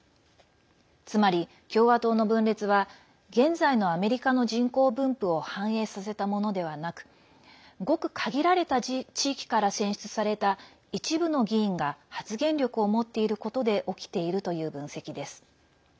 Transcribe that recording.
つまり、共和党の分裂は現在のアメリカの人口分布を反映させたものではなくごく限られた地域から選出された一部の議員が発言力を持っていることで起きているという分析です。